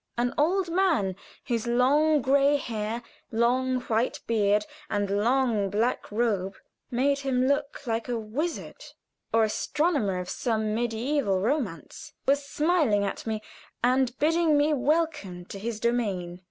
An old man whose long gray hair, long white beard, and long black robe made him look like a wizard or astrologer of some mediæval romance, was smiling at me and bidding me welcome to his domain.